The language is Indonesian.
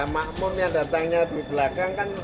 makmum yang datangnya di belakang kan